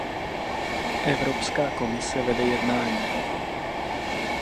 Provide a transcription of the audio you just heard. Evropská komise vede jednání.